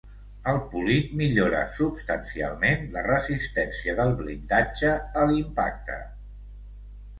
El polit millora substancialment la resistència del blindatge a l'impacte.